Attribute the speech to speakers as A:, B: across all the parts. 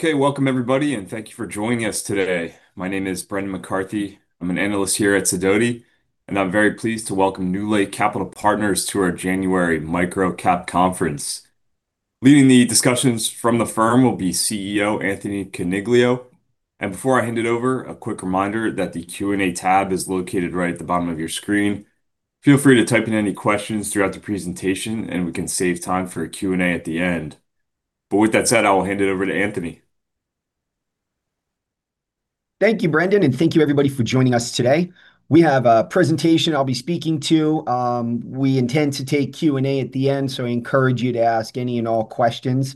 A: Okay, welcome everybody, and thank you for joining us today. My name is Brendan McCarthy. I'm an Analyst here at Sidoti, and I'm very pleased to welcome NewLake Capital Partners to our January Micro Cap Conference. Leading the discussions from the firm will be CEO Anthony Coniglio, and before I hand it over, a quick reminder that the Q&A tab is located right at the bottom of your screen. Feel free to type in any questions throughout the presentation, and we can save time for a Q&A at the end, but with that said, I will hand it over to Anthony.
B: Thank you, Brendan, and thank you everybody for joining us today. We have a presentation I'll be speaking to. We intend to take Q&A at the end, so I encourage you to ask any and all questions.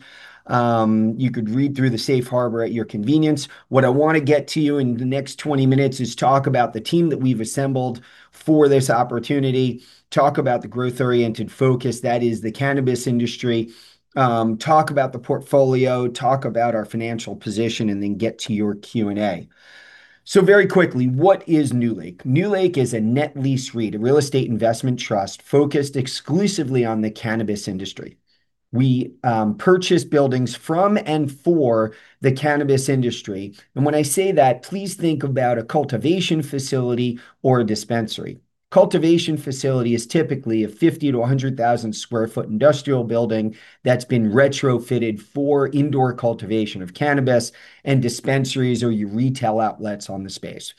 B: You could read through the safe harbor at your convenience. What I want to get to you in the next 20 minutes is talk about the team that we've assembled for this opportunity, talk about the growth-oriented focus that is the cannabis industry, talk about the portfolio, talk about our financial position, and then get to your Q&A, so very quickly, what is NewLake? NewLake is a net lease REIT, a real estate investment trust focused exclusively on the cannabis industry. We purchase buildings from and for the cannabis industry, and when I say that, please think about a cultivation facility or a dispensary. Cultivation facility is typically a 50,000 sq ft-100,000 sq ft industrial building that's been retrofitted for indoor cultivation of cannabis, and dispensaries are your retail outlets on the space.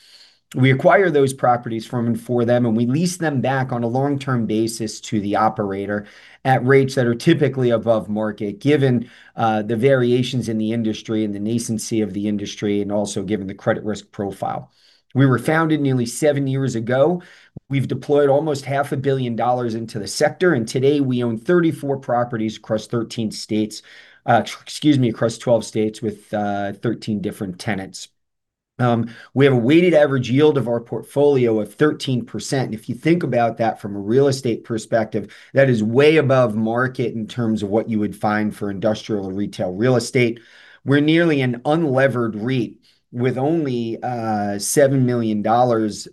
B: We acquire those properties from and for them, and we lease them back on a long-term basis to the operator at rates that are typically above market, given the variations in the industry and the nascency of the industry, and also given the credit risk profile. We were founded nearly seven years ago. We've deployed almost $500 million into the sector, and today we own 34 properties across 13 states. Excuse me, across 12 states with 13 different tenants. We have a weighted average yield of our portfolio of 13%. If you think about that from a real estate perspective, that is way above market in terms of what you would find for industrial and retail real estate. We're nearly an unlevered REIT with only $7 million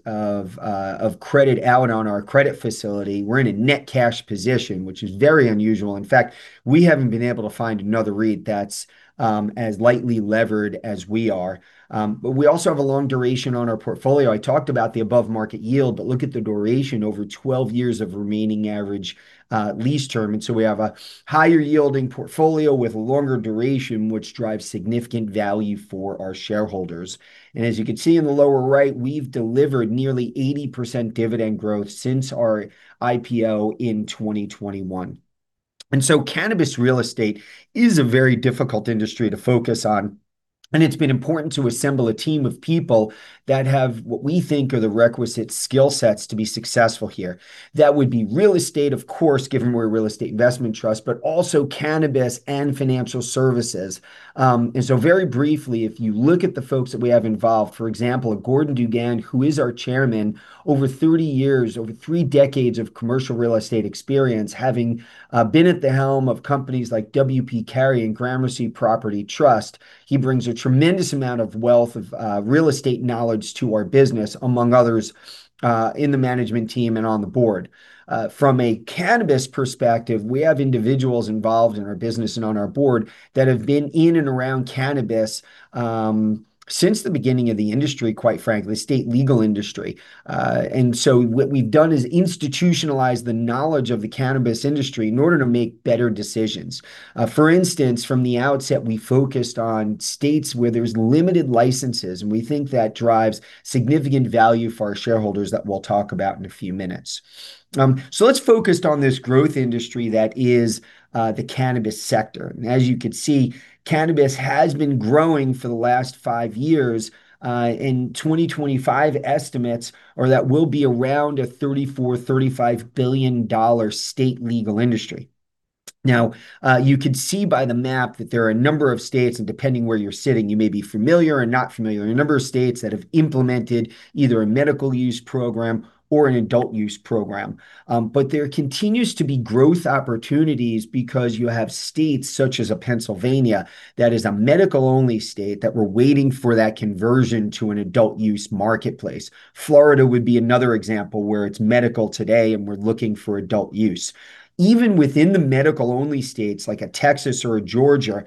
B: of credit out on our credit facility. We're in a net cash position, which is very unusual. In fact, we haven't been able to find another REIT that's as lightly levered as we are. But we also have a long duration on our portfolio. I talked about the above-market yield, but look at the duration. Over 12 years of remaining average lease term. And so we have a higher-yielding portfolio with a longer duration, which drives significant value for our shareholders. And as you can see in the lower right, we've delivered nearly 80% dividend growth since our IPO in 2021. And so cannabis real estate is a very difficult industry to focus on, and it's been important to assemble a team of people that have what we think are the requisite skill sets to be successful here. That would be real estate, of course, given we're a real estate investment trust, but also cannabis and financial services. And so very briefly, if you look at the folks that we have involved, for example, Gordon DuGan, who is our chairman, over 30 years, over three decades of commercial real estate experience, having been at the helm of companies like W. P. Carey and Gramercy Property Trust, he brings a tremendous amount of wealth of real estate knowledge to our business, among others in the management team and on the board. From a cannabis perspective, we have individuals involved in our business and on our board that have been in and around cannabis since the beginning of the industry, quite frankly, state legal industry. And so what we've done is institutionalize the knowledge of the cannabis industry in order to make better decisions. For instance, from the outset, we focused on states where there's limited licenses, and we think that drives significant value for our shareholders that we'll talk about in a few minutes. So let's focus on this growth industry that is the cannabis sector. And as you could see, cannabis has been growing for the last five years. In 2025 estimates, that will be around a $34 billion-$35 billion state legal industry. Now, you could see by the map that there are a number of states, and depending where you're sitting, you may be familiar or not familiar, a number of states that have implemented either a medical use program or an adult use program. But there continues to be growth opportunities because you have states such as Pennsylvania that is a medical-only state that we're waiting for that conversion to an adult use marketplace. Florida would be another example where it's medical today, and we're looking for adult use. Even within the medical-only states like Texas or Georgia,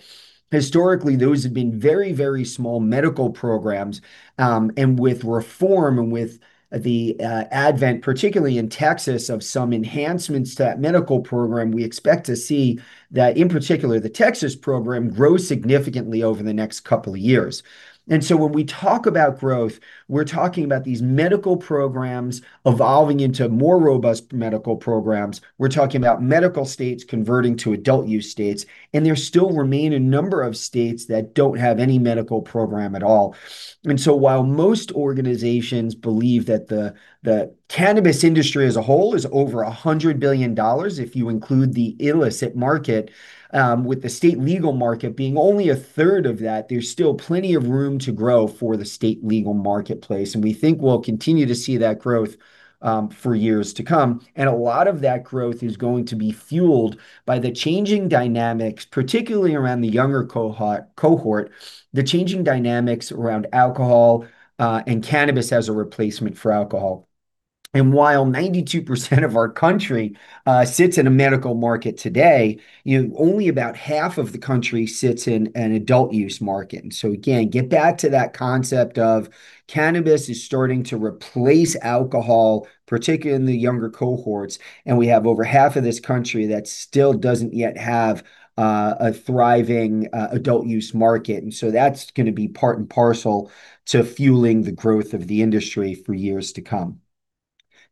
B: historically, those have been very, very small medical programs. And with reform and with the advent, particularly in Texas, of some enhancements to that medical program, we expect to see that, in particular, the Texas program grow significantly over the next couple of years. And so when we talk about growth, we're talking about these medical programs evolving into more robust medical programs. We're talking about medical states converting to adult use states, and there still remain a number of states that don't have any medical program at all. And so while most organizations believe that the cannabis industry as a whole is over $100 billion, if you include the illicit market, with the state legal market being only a third of that, there's still plenty of room to grow for the state legal marketplace. And we think we'll continue to see that growth for years to come. And a lot of that growth is going to be fueled by the changing dynamics, particularly around the younger cohort, the changing dynamics around alcohol and cannabis as a replacement for alcohol. And while 92% of our country sits in a medical market today, only about half of the country sits in an adult use market. And so again, get back to that concept of cannabis is starting to replace alcohol, particularly in the younger cohorts, and we have over half of this country that still doesn't yet have a thriving adult use market. And so that's going to be part and parcel to fueling the growth of the industry for years to come.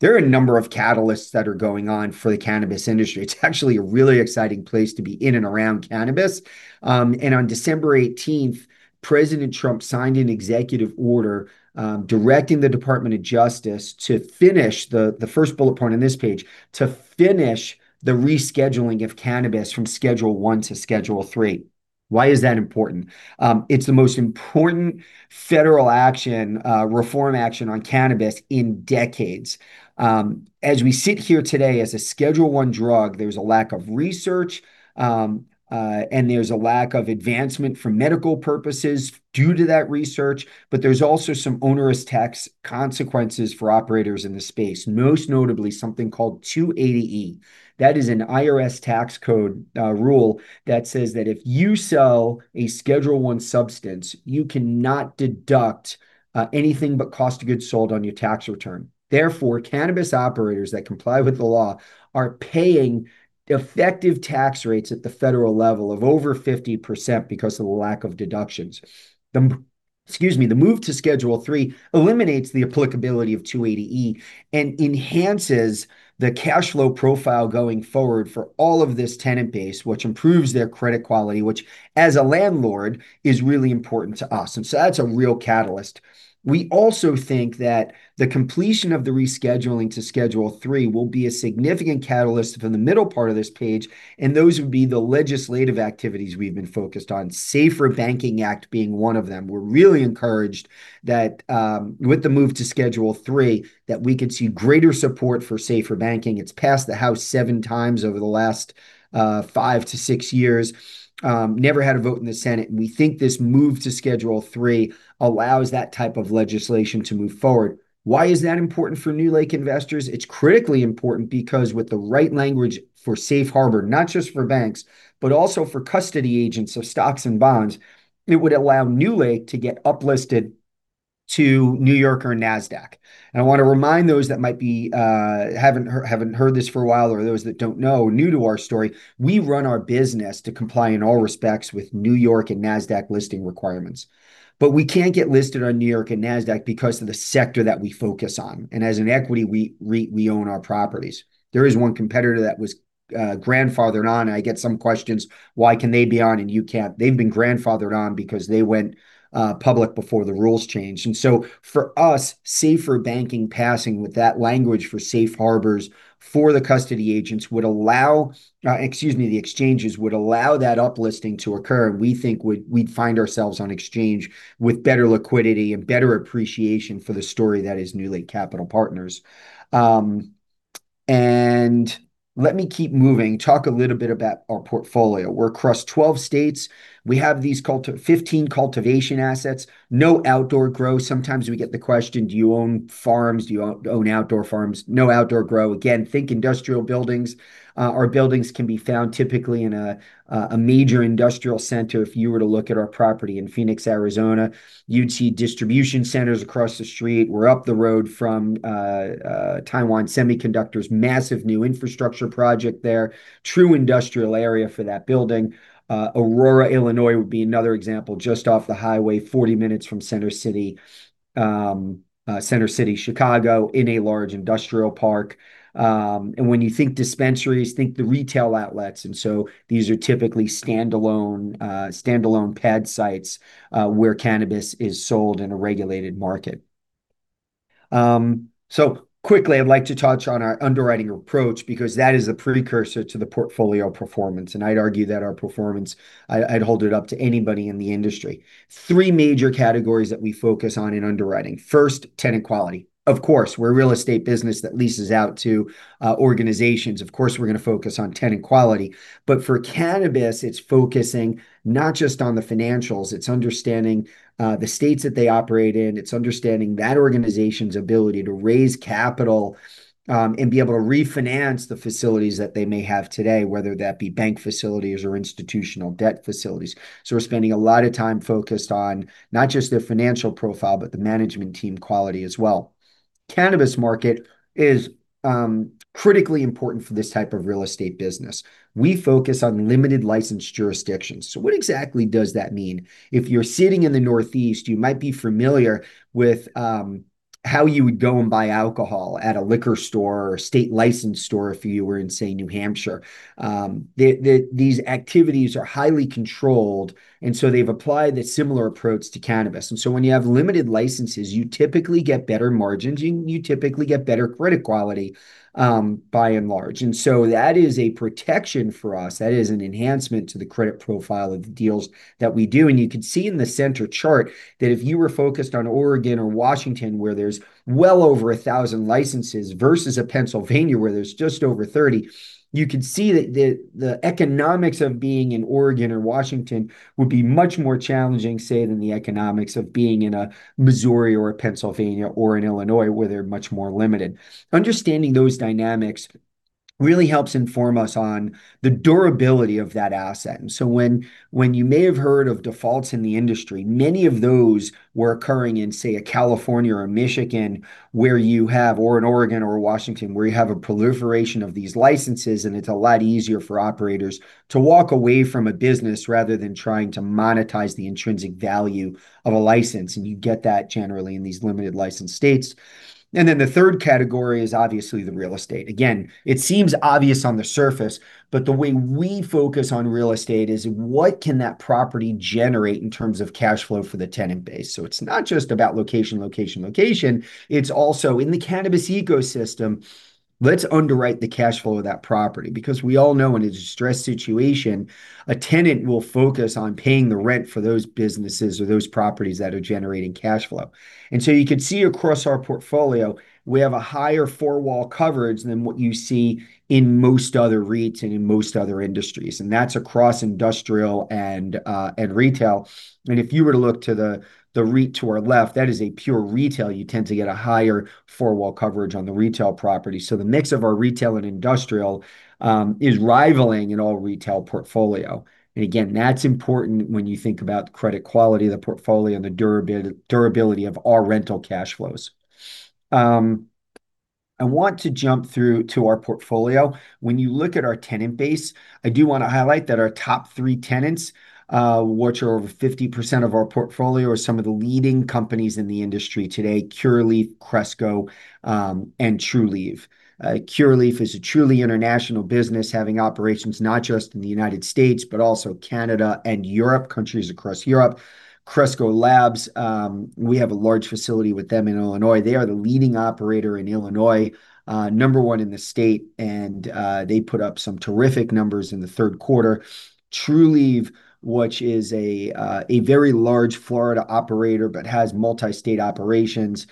B: There are a number of catalysts that are going on for the cannabis industry. It's actually a really exciting place to be in and around cannabis. And on December 18th, President Trump signed an executive order directing the Department of Justice to finish the first bullet point on this page, to finish the rescheduling of cannabis from Schedule I to Schedule III. Why is that important? It's the most important federal action, reform action on cannabis in decades. As we sit here today as a Schedule I drug, there's a lack of research, and there's a lack of advancement for medical purposes due to that research, but there's also some onerous tax consequences for operators in the space, most notably something called 280E. That is an IRS tax code rule that says that if you sell a Schedule I substance, you cannot deduct anything but cost of goods sold on your tax return. Therefore, cannabis operators that comply with the law are paying effective tax rates at the federal level of over 50% because of the lack of deductions. Excuse me, the move to Schedule III eliminates the applicability of 280E and enhances the cash flow profile going forward for all of this tenant base, which improves their credit quality, which, as a landlord, is really important to us, and so that's a real catalyst. We also think that the completion of the rescheduling to Schedule III will be a significant catalyst for the middle part of this page, and those would be the legislative activities we've been focused on, SAFER Banking Act being one of them. We're really encouraged that with the move to Schedule III, that we could see greater support for SAFER banking. It's passed the House seven times over the last five to six years, never had a vote in the Senate. And we think this move to Schedule III allows that type of legislation to move forward. Why is that important for NewLake investors? It's critically important because with the right language for safe harbor, not just for banks, but also for custody agents of stocks and bonds, it would allow NewLake to get uplisted to New York or NASDAQ. I want to remind those that might have not heard this for a while or those that don't know, new to our story, we run our business to comply in all respects with New York and NASDAQ listing requirements. We can't get listed on New York and NASDAQ because of the sector that we focus on. As an equity, we own our properties. There is one competitor that was grandfathered on, and I get some questions, "Why can they be on and you can't?" They have been grandfathered on because they went public before the rules changed. For us, SAFER Banking passing with that language for safe harbors for the custody agents would allow, excuse me, the exchanges would allow that uplisting to occur. We think we'd find ourselves on exchange with better liquidity and better appreciation for the story that is NewLake Capital Partners. Let me keep moving. Talk a little bit about our portfolio. We're across 12 states. We have these 15 cultivation assets. No outdoor grow. Sometimes we get the question, "Do you own farms? Do you own outdoor farms?" No outdoor grow. Again, think industrial buildings. Our buildings can be found typically in a major industrial center. If you were to look at our property in Phoenix, Arizona, you'd see distribution centers across the street. We're up the road from Taiwan Semiconductor, massive new infrastructure project there, true industrial area for that building. Aurora, Illinois, would be another example, just off the highway, 40 minutes from Center City, Chicago in a large industrial park. When you think dispensaries, think the retail outlets. These are typically standalone pad sites where cannabis is sold in a regulated market. So, quickly, I'd like to touch on our underwriting approach because that is the precursor to the portfolio performance. And I'd argue that our performance, I'd hold it up to anybody in the industry. Three major categories that we focus on in underwriting. First, tenant quality. Of course, we're a real estate business that leases out to organizations. Of course, we're going to focus on tenant quality. But for cannabis, it's focusing not just on the financials. It's understanding the states that they operate in. It's understanding that organization's ability to raise capital and be able to refinance the facilities that they may have today, whether that be bank facilities or institutional debt facilities. So, we're spending a lot of time focused on not just their financial profile, but the management team quality as well. The cannabis market is critically important for this type of real estate business. We focus on limited license jurisdictions. So what exactly does that mean? If you're sitting in the Northeast, you might be familiar with how you would go and buy alcohol at a liquor store or state licensed store if you were in, say, New Hampshire. These activities are highly controlled, and so they've applied a similar approach to cannabis, and so when you have limited licenses, you typically get better margins. You typically get better credit quality by and large, and so that is a protection for us. That is an enhancement to the credit profile of the deals that we do. You can see in the center chart that if you were focused on Oregon or Washington, where there's well over 1,000 licenses, versus Pennsylvania, where there's just over 30, you could see that the economics of being in Oregon or Washington would be much more challenging, say, than the economics of being in Missouri or Pennsylvania or in Illinois, where they're much more limited. Understanding those dynamics really helps inform us on the durability of that asset. When you may have heard of defaults in the industry, many of those were occurring in, say, California or Michigan, where you have, or in Oregon or Washington, where you have a proliferation of these licenses, and it's a lot easier for operators to walk away from a business rather than trying to monetize the intrinsic value of a license. You get that generally in these limited license states. Then the third category is obviously the real estate. Again, it seems obvious on the surface, but the way we focus on real estate is what can that property generate in terms of cash flow for the tenant base? It's not just about location, location, location. It's also in the cannabis ecosystem. Let's underwrite the cash flow of that property. Because we all know in a distressed situation, a tenant will focus on paying the rent for those businesses or those properties that are generating cash flow. And so you can see across our portfolio, we have a higher four-wall coverage than what you see in most other REITs and in most other industries. And that's across industrial and retail. And if you were to look to the REIT to our left, that is a pure retail. You tend to get a higher four-wall coverage on the retail property. The mix of our retail and industrial is rivaling an all-retail portfolio. Again, that's important when you think about the credit quality of the portfolio and the durability of our rental cash flows. I want to jump to our portfolio. When you look at our tenant base, I do want to highlight that our top three tenants, which are over 50% of our portfolio, are some of the leading companies in the industry today. Curaleaf, Cresco, and Trulieve. Curaleaf is a truly international business having operations not just in the United States, but also Canada and Europe, countries across Europe. Cresco Labs, we have a large facility with them in Illinois. They are the leading operator in Illinois, number one in the state, and they put up some terrific numbers in the third quarter. Trulieve, which is a very large Florida operator but has multi-state operations,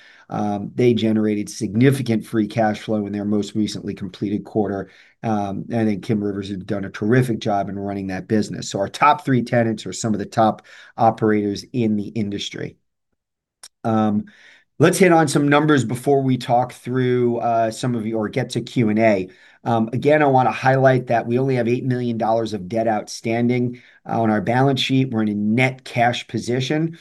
B: they generated significant free cash flow in their most recently completed quarter. I think Kim Rivers has done a terrific job in running that business. Our top three tenants are some of the top operators in the industry. Let's hit on some numbers before we talk through some of your or get to Q&A. Again, I want to highlight that we only have $8 million of debt outstanding on our balance sheet. We're in a net cash position.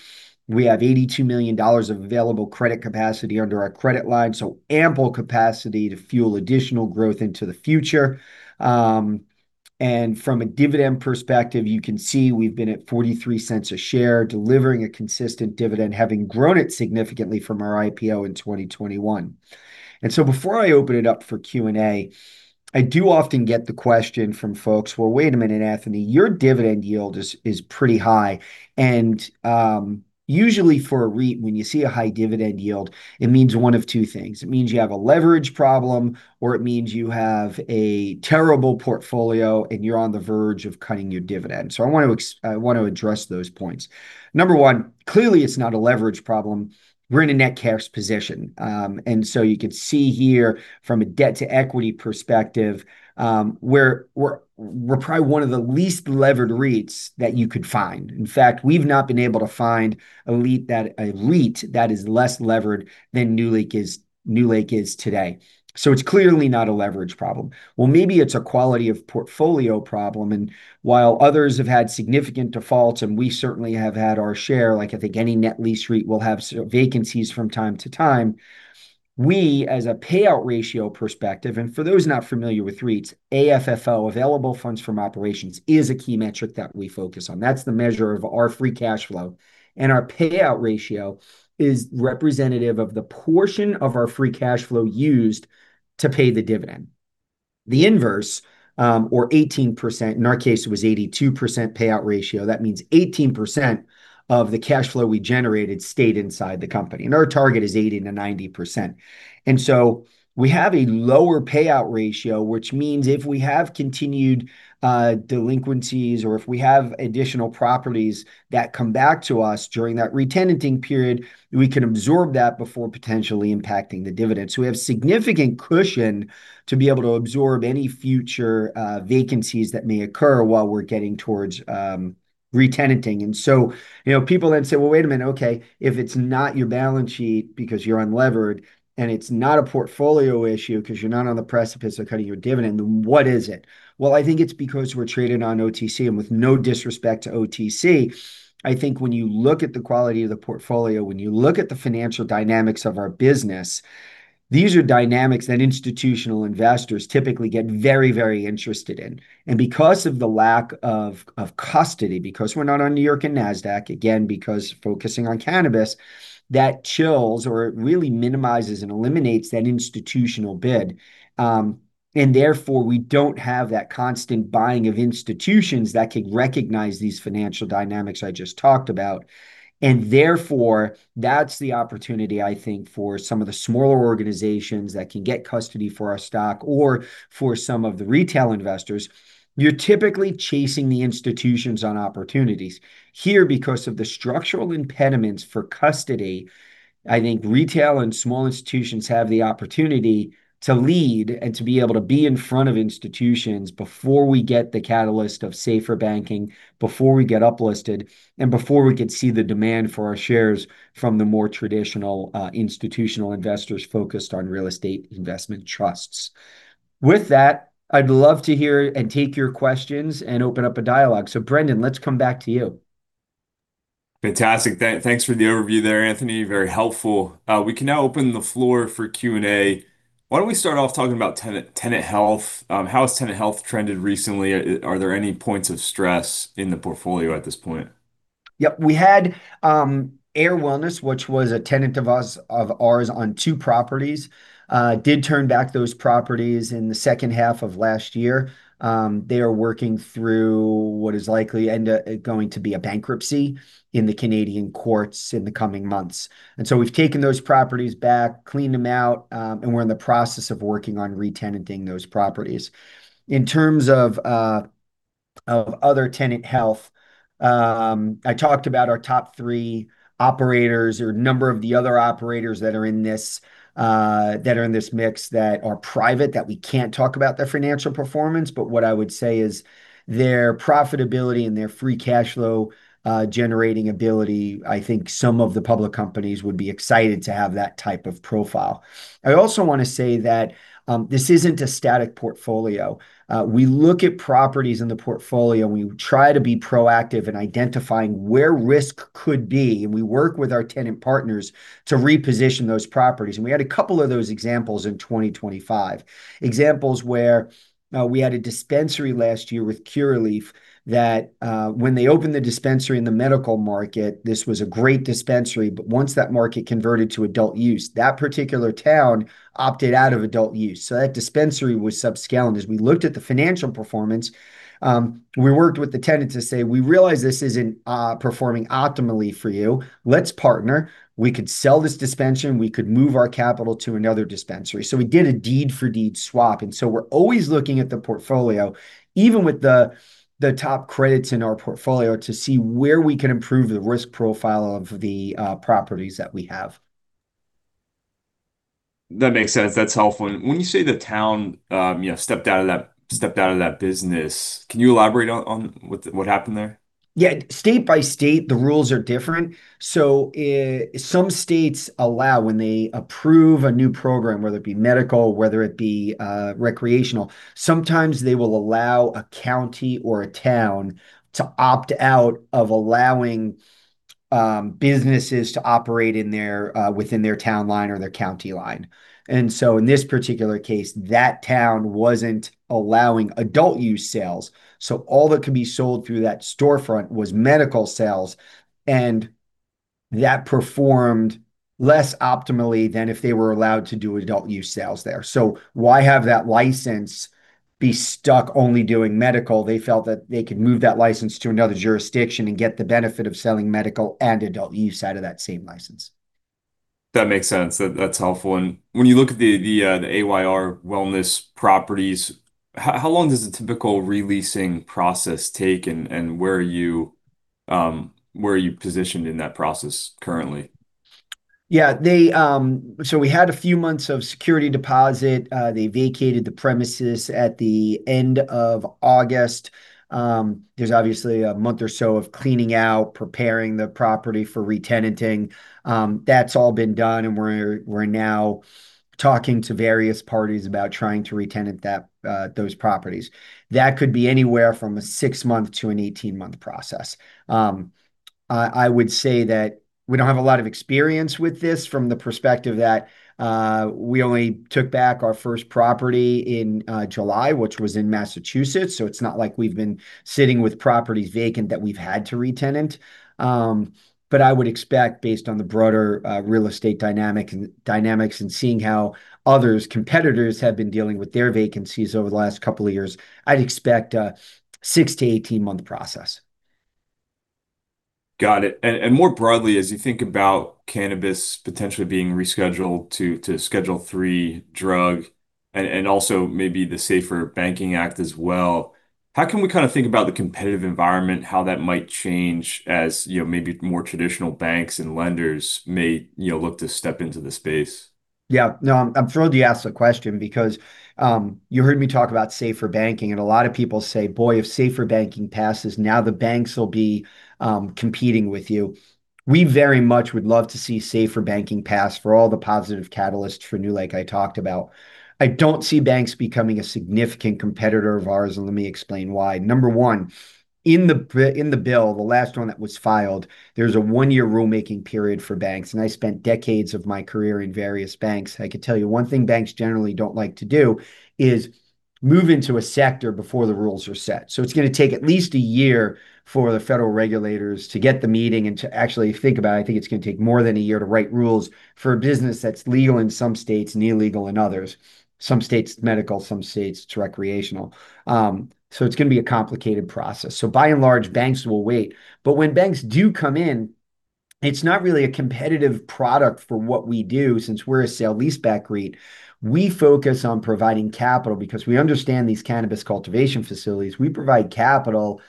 B: We have $82 million of available credit capacity under our credit line, so ample capacity to fuel additional growth into the future. From a dividend perspective, you can see we've been at $0.43 a share, delivering a consistent dividend, having grown it significantly from our IPO in 2021. Before I open it up for Q&A, I do often get the question from folks, "Well, wait a minute, Anthony, your dividend yield is pretty high." Usually for a REIT, when you see a high dividend yield, it means one of two things. It means you have a leverage problem, or it means you have a terrible portfolio, and you're on the verge of cutting your dividend. I want to address those points. Number one, clearly, it's not a leverage problem. We're in a net cash position. You can see here from a debt-to-equity perspective, we're probably one of the least levered REITs that you could find. In fact, we've not been able to find a REIT that is less levered than NewLake is today. It's clearly not a leverage problem. Maybe it's a quality of portfolio problem. While others have had significant defaults and we certainly have had our share, like I think any net lease REIT will have vacancies from time to time, we, as a payout ratio perspective, and for those not familiar with REITs, AFFO, Adjusted Funds From Operations, is a key metric that we focus on. That's the measure of our free cash flow. Our payout ratio is representative of the portion of our free cash flow used to pay the dividend. The inverse, or 18%, in our case, it was 82% payout ratio. That means 18% of the cash flow we generated stayed inside the company. Our target is 80%-90%. And so we have a lower payout ratio, which means if we have continued delinquencies or if we have additional properties that come back to us during that re-tenanting period, we can absorb that before potentially impacting the dividend. So we have significant cushion to be able to absorb any future vacancies that may occur while we're getting towards re-tenanting. And so people then say, "Well, wait a minute, okay, if it's not your balance sheet because you're unlevered and it's not a portfolio issue because you're not on the precipice of cutting your dividend, then what is it?" Well, I think it's because we're traded on OTC. And with no disrespect to OTC, I think when you look at the quality of the portfolio, when you look at the financial dynamics of our business, these are dynamics that institutional investors typically get very, very interested in. Because of the lack of custody, because we're not on New York and NASDAQ, again, because focusing on cannabis, that chills or it really minimizes and eliminates that institutional bid. Therefore, we don't have that constant buying of institutions that can recognize these financial dynamics I just talked about. Therefore, that's the opportunity, I think, for some of the smaller organizations that can get custody for our stock or for some of the retail investors. You're typically chasing the institutions on opportunities. Here, because of the structural impediments for custody, I think retail and small institutions have the opportunity to lead and to be able to be in front of institutions before we get the catalyst of SAFER banking, before we get uplisted, and before we could see the demand for our shares from the more traditional institutional investors focused on real estate investment trusts. With that, I'd love to hear and take your questions and open up a dialogue. So Brendan, let's come back to you.
A: Fantastic. Thanks for the overview there, Anthony. Very helpful. We can now open the floor for Q&A. Why don't we start off talking about tenant health? How has tenant health trended recently? Are there any points of stress in the portfolio at this point?
B: Yep. We had Ayr Wellness, which was a tenant of ours on two properties, did turn back those properties in the second half of last year. They are working through what is likely going to be a bankruptcy in the Canadian courts in the coming months. And so we've taken those properties back, cleaned them out, and we're in the process of working on re-tenanting those properties. In terms of other tenant health, I talked about our top three operators or number of the other operators that are in this mix that are private that we can't talk about their financial performance. But what I would say is their profitability and their free cash flow generating ability, I think some of the public companies would be excited to have that type of profile. I also want to say that this isn't a static portfolio. We look at properties in the portfolio, and we try to be proactive in identifying where risk could be, and we work with our tenant partners to reposition those properties, and we had a couple of those examples in 2025. Examples where we had a dispensary last year with Curaleaf that when they opened the dispensary in the medical market, this was a great dispensary, but once that market converted to adult use, that particular town opted out of adult use, so that dispensary was subscaled, and as we looked at the financial performance, we worked with the tenant to say, "We realize this isn't performing optimally for you. Let's partner. We could sell this dispensary. We could move our capital to another dispensary." So we did a deed-for-deed swap. We’re always looking at the portfolio, even with the top credits in our portfolio, to see where we can improve the risk profile of the properties that we have.
A: That makes sense. That's helpful. When you say the town stepped out of that business, can you elaborate on what happened there?
B: Yeah. State by state, the rules are different. So some states allow when they approve a new program, whether it be medical, whether it be recreational, sometimes they will allow a county or a town to opt out of allowing businesses to operate within their town line or their county line. And so in this particular case, that town wasn't allowing adult use sales. So all that could be sold through that storefront was medical sales. And that performed less optimally than if they were allowed to do adult use sales there. So why have that license be stuck only doing medical? They felt that they could move that license to another jurisdiction and get the benefit of selling medical and adult use out of that same license.
A: That makes sense. That's helpful. And when you look at the Ayr Wellness properties, how long does the typical releasing process take? And where are you positioned in that process currently?
B: Yeah. So we had a few months of security deposit. They vacated the premises at the end of August. There's obviously a month or so of cleaning out, preparing the property for re-tenanting. That's all been done. And we're now talking to various parties about trying to re-tenant those properties. That could be anywhere from a six-month to an 18-month process. I would say that we don't have a lot of experience with this from the perspective that we only took back our first property in July, which was in Massachusetts. So it's not like we've been sitting with properties vacant that we've had to re-tenant. But I would expect, based on the broader real estate dynamics and seeing how others, competitors have been dealing with their vacancies over the last couple of years, I'd expect a six- to 18-month process.
A: Got it. And more broadly, as you think about cannabis potentially being rescheduled to Schedule III drug and also maybe the SAFER Banking Act as well, how can we kind of think about the competitive environment, how that might change as maybe more traditional banks and lenders may look to step into the space?
B: Yeah. No, I'm thrilled you asked the question because you heard me talk about SAFER Banking, and a lot of people say, "Boy, if SAFER Banking passes, now the banks will be competing with you." We very much would love to see SAFER Banking pass for all the positive catalysts for NewLake I talked about. I don't see banks becoming a significant competitor of ours, and let me explain why. Number one, in the bill, the last one that was filed, there's a one-year rulemaking period for banks. I spent decades of my career in various banks. I could tell you one thing banks generally don't like to do is move into a sector before the rules are set. So it's going to take at least a year for the federal regulators to get the meeting and to actually think about it. I think it's going to take more than a year to write rules for a business that's legal in some states and illegal in others. Some states it's medical. Some states it's recreational. So it's going to be a complicated process. So by and large, banks will wait. But when banks do come in, it's not really a competitive product for what we do since we're a sale-leaseback REIT. We focus on providing capital because we understand these cannabis cultivation facilities. We provide capital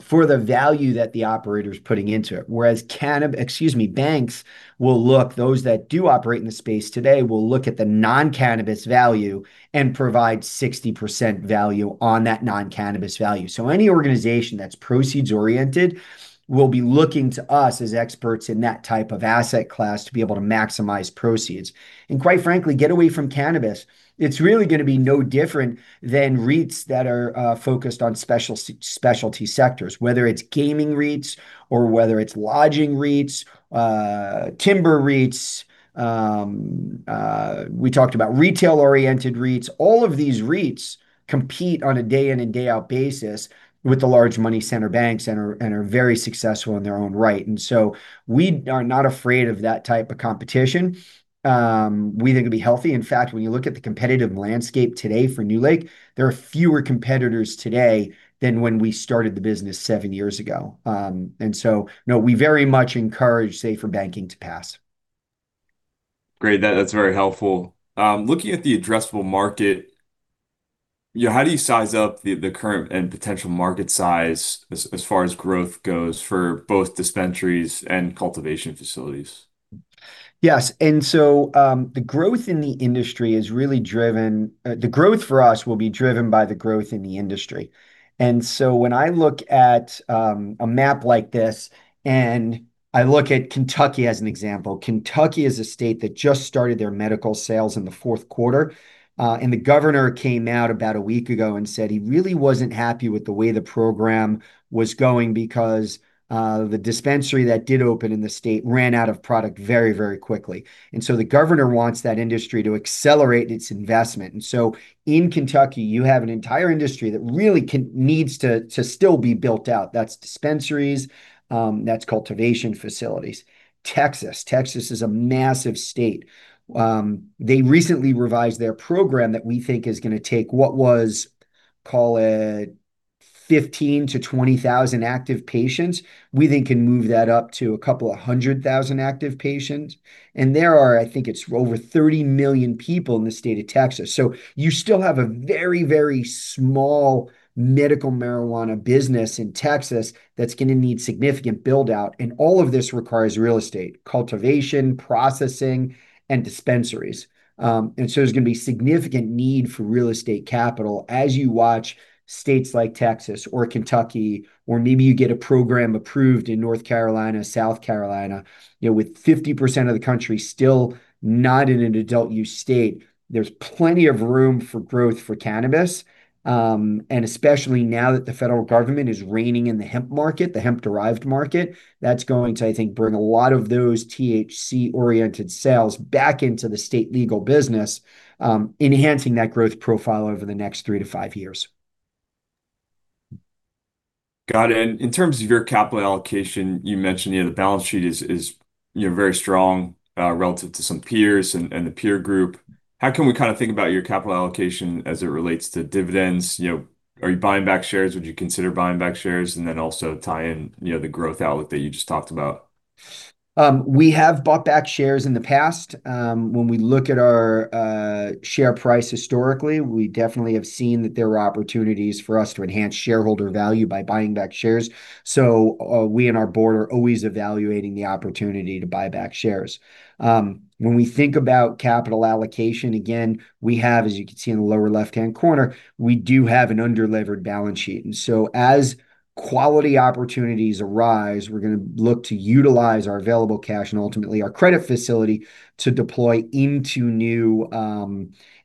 B: for the value that the operator is putting into it. Whereas banks will look, those that do operate in the space today will look at the non-cannabis value and provide 60% value on that non-cannabis value. So any organization that's proceeds-oriented will be looking to us as experts in that type of asset class to be able to maximize proceeds. And quite frankly, get away from cannabis. It's really going to be no different than REITs that are focused on specialty sectors, whether it's gaming REITs or whether it's lodging REITs, timber REITs. We talked about retail-oriented REITs. All of these REITs compete on a day-in and day-out basis with the large money center banks and are very successful in their own right. And so we are not afraid of that type of competition. We think it'll be healthy. In fact, when you look at the competitive landscape today for NewLake, there are fewer competitors today than when we started the business seven years ago. And so no, we very much encourage SAFER Banking to pass.
A: Great. That's very helpful. Looking at the addressable market, how do you size up the current and potential market size as far as growth goes for both dispensaries and cultivation facilities?
B: Yes. And so the growth in the industry is really driven the growth for us will be driven by the growth in the industry. And so when I look at a map like this and I look at Kentucky as an example, Kentucky is a state that just started their medical sales in the fourth quarter. And the governor came out about a week ago and said he really wasn't happy with the way the program was going because the dispensary that did open in the state ran out of product very, very quickly. And so the governor wants that industry to accelerate its investment. And so in Kentucky, you have an entire industry that really needs to still be built out. That's dispensaries. That's cultivation facilities. Texas. Texas is a massive state. They recently revised their program that we think is going to take what was, call it, 15,000-20,000 active patients. We think can move that up to a couple of hundred thousand active patients. There are, I think it's over 30 million people in the state of Texas. So you still have a very, very small medical marijuana business in Texas that's going to need significant build-out. All of this requires real estate, cultivation, processing, and dispensaries. So there's going to be significant need for real estate capital as you watch states like Texas or Kentucky, or maybe you get a program approved in North Carolina, South Carolina, with 50% of the country still not in an adult-use state. There's plenty of room for growth for cannabis. Especially now that the federal government is reining in the hemp market, the hemp-derived market, that's going to, I think, bring a lot of those THC-oriented sales back into the state legal business, enhancing that growth profile over the next three to five years.
A: Got it. And in terms of your capital allocation, you mentioned the balance sheet is very strong relative to some peers and the peer group. How can we kind of think about your capital allocation as it relates to dividends? Are you buying back shares? Would you consider buying back shares? And then also tie in the growth outlook that you just talked about.
B: We have bought back shares in the past. When we look at our share price historically, we definitely have seen that there are opportunities for us to enhance shareholder value by buying back shares. So we and our board are always evaluating the opportunity to buy back shares. When we think about capital allocation, again, we have, as you can see in the lower left-hand corner, we do have an under-levered balance sheet. And so as quality opportunities arise, we're going to look to utilize our available cash and ultimately our credit facility to deploy into new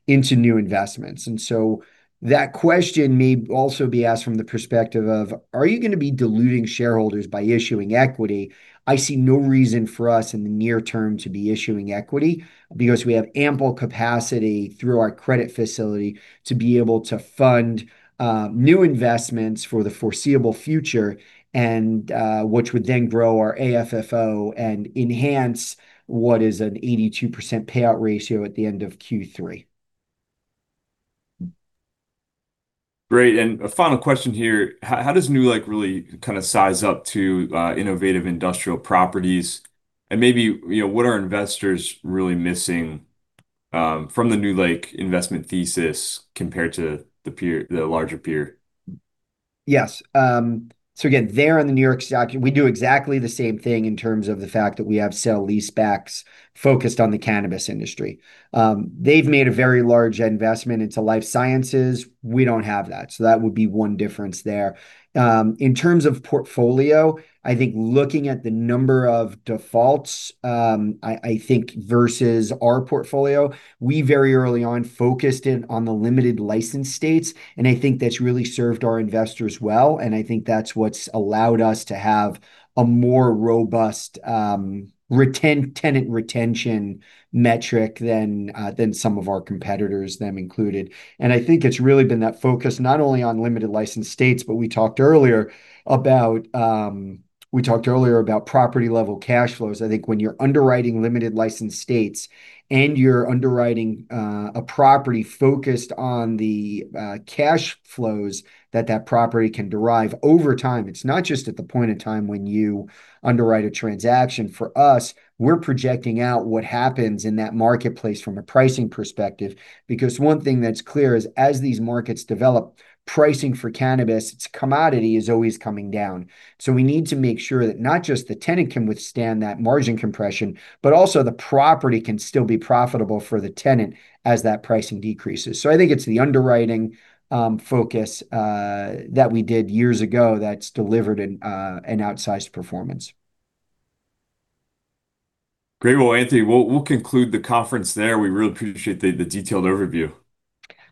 B: investments. And so that question may also be asked from the perspective of, are you going to be diluting shareholders by issuing equity? I see no reason for us in the near term to be issuing equity because we have ample capacity through our credit facility to be able to fund new investments for the foreseeable future, which would then grow our AFFO and enhance what is an 82% payout ratio at the end of Q3.
A: Great. And a final question here. How does NewLake really kind of size up to Innovative Industrial Properties? And maybe what are investors really missing from the NewLake investment thesis compared to the larger peer?
B: Yes. So again, there in the New York Stock Exchange, we do exactly the same thing in terms of the fact that we have sale-leasebacks focused on the cannabis industry. They've made a very large investment into life sciences. We don't have that. So that would be one difference there. In terms of portfolio, I think looking at the number of defaults, I think versus our portfolio, we very early on focused in on the limited license states. And I think that's really served our investors well. And I think that's what's allowed us to have a more robust tenant retention metric than some of our competitors, them included. And I think it's really been that focus not only on limited license states, but we talked earlier about property-level cash flows. I think when you're underwriting limited license states and you're underwriting a property focused on the cash flows that that property can derive over time, it's not just at the point in time when you underwrite a transaction. For us, we're projecting out what happens in that marketplace from a pricing perspective. Because one thing that's clear is as these markets develop, pricing for cannabis, its commodity is always coming down. So we need to make sure that not just the tenant can withstand that margin compression, but also the property can still be profitable for the tenant as that pricing decreases. So I think it's the underwriting focus that we did years ago that's delivered an outsized performance.
A: Great. Well, Anthony, we'll conclude the conference there. We really appreciate the detailed overview.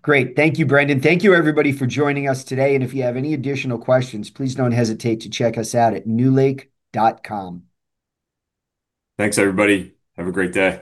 B: Great. Thank you, Brendan. Thank you, everybody, for joining us today, and if you have any additional questions, please don't hesitate to check us out at newlake.com.
A: Thanks, everybody. Have a great day.